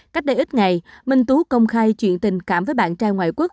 cách đây ít ngày minh tú công khai chuyện tình cảm với bạn trai ngoại quốc